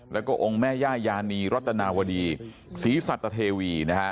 แล้วก็แม่ย่ายรัตนวดีศรีสตเทวีนะฮะ